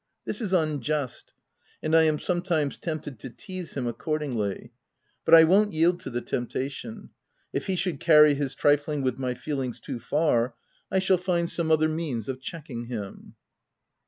This is unjust ; and I am sometimes tempted to teaze him accordingly ; but 1 won't yield to the temptation : if he should carry his trifling with my feelings too far, I shall find some other means of checking him.